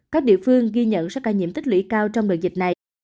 các địa phương ghi nhận số ca nhiễm tích lũy cao trong đợt dịch này